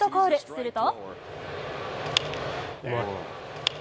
すると。